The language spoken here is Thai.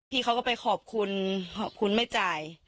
พี่เขาก็ไปขอบคุณขอบคุณคุณไม่จ่าย